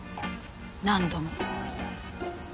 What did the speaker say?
何度も。